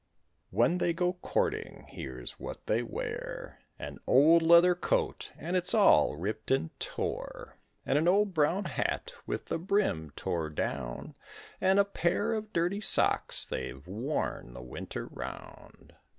When they go courting, here's what they wear: An old leather coat, and it's all ripped and tore; And an old brown hat with the brim tore down, And a pair of dirty socks, they've worn the winter round.